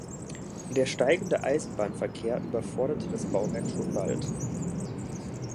Der steigende Eisenbahnverkehr überforderte das Bauwerk schon bald.